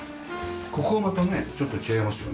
ここまたねちょっと違いますよね。